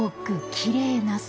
きれいな空。